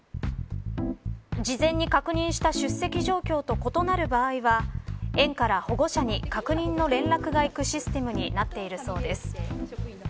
事前に確認した出席状況と異なる場合は園から保護者に確認の連絡がいくシステムになっているそうです。